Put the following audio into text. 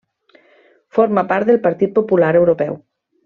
Forma part del Partit Popular Europeu.